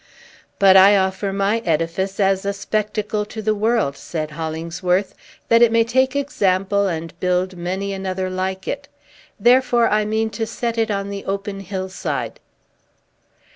"But I offer my edifice as a spectacle to the world," said Hollingsworth, "that it may take example and build many another like it. Therefore, I mean to set it on the open hillside."